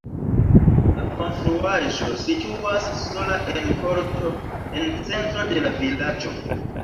La konstruaĵo situas sola en korto en centro de la vilaĝo.